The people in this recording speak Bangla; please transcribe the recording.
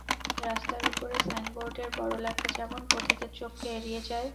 রাস্তার উপরে সাইনবোর্ডের বড় লেখা যেমন পথিকের চোখকে এড়িয়ে যায়।